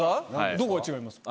どこが違いますか？